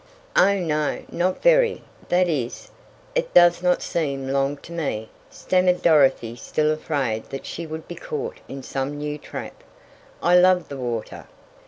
"Oh, no, not very that is, it does not seem long to me," stammered Dorothy still afraid that she would be caught in some new trap. "I love the water."